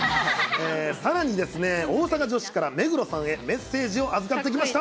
さらにですね、大阪女子から目黒さんへメッセージを預かってきました。